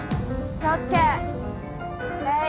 気を付け礼。